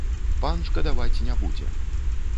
Пан шкадаваць не будзе!